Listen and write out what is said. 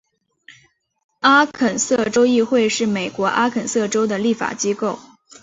阿肯色州议会是美国阿肯色州的立法机构。